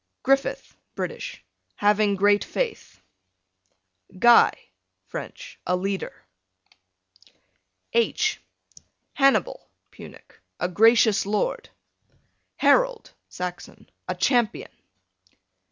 Griffith, British, having great faith. Guy, French, a leader. H Hannibal, Punic, a gracious lord. Harold, Saxon, a champion.